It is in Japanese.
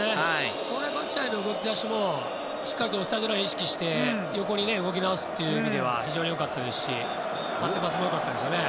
バチュアイの動き出しもしっかりオフサイドラインを意識して横に動き直すという意味では非常に良かったですし縦パスも良かったですよね。